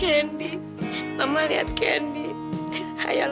oh terima kasih sayegor